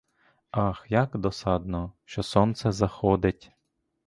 Ах, як досадно, що сонце заходить!